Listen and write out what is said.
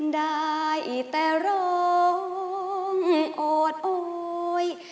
ได้แต่ร้องโอดโอย